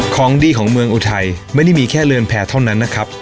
ของดีของเมืองอุทัยไม่ได้มีแค่เรือนแพร่เท่านั้นนะครับ